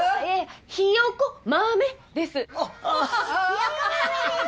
ひよこ豆です。